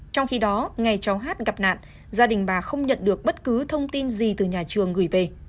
trong khi đó ngày cháu hát gặp nạn gia đình bà không nhận được bất cứ thông tin gì từ nhà trường gửi về